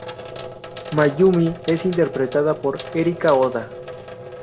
Mayumi es interpretada por Erika Oda.